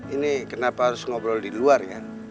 ini kenapa harus ngobrol di luar ya